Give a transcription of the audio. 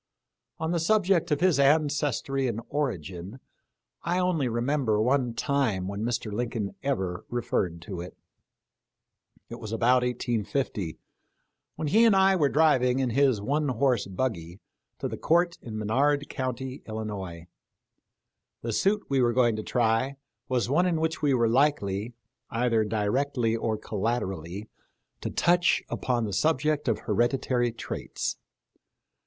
On the subject of his ancestry and origin I only remember one time when Mr. Lincoln ever referred to it. It was about 1850, when he and I were driv ing in his one horse buggy to the court in Menard county, Illinois. The suit we were going to try was one in which we were likely, either directly or collaterally, to touch upon the subject of hereditary traits.